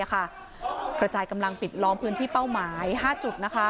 กระจายกำลังปิดล้อมพื้นที่เป้าหมาย๕จุด